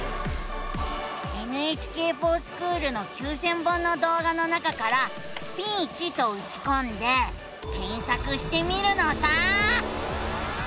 「ＮＨＫｆｏｒＳｃｈｏｏｌ」の９，０００本の動画の中から「スピーチ」とうちこんで検索してみるのさ！